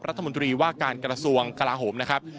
รัฐมนตรีว่าการกระทรวงกลาโหมนะครับ